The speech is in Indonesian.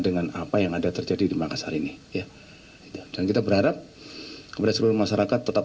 dengan apa yang ada terjadi di makassar ini ya dan kita berharap kepada seluruh masyarakat tetap